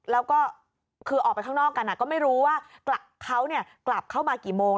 แล้วก็คือออกไปข้างนอกกันก็ไม่รู้ว่าเขากลับเข้ามากี่โมง